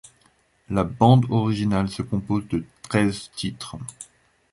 La bande originale se compose de treize titres.